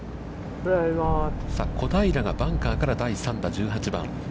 小平がバンカーから第３打、１８番。